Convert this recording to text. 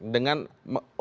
dengan untuk memilih ya